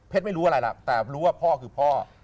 ไม่รู้อะไรล่ะแต่รู้ว่าพ่อคือพ่อ